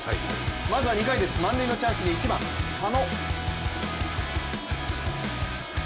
まずは２回、満塁のチャンスに１番・佐野。